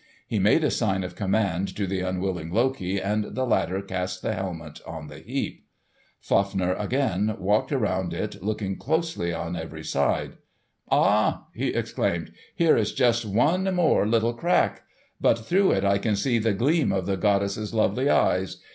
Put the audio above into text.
He made a sign of command to the unwilling Loki, and the latter cast the helmet on the heap. Fafner again walked around it looking closely on every side. "Ah!" he exclaimed. "Here is just one more little crack. But through it I can see the gleam of the goddess's lovely eyes.